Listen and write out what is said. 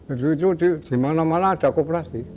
itu dimana mana ada koperasi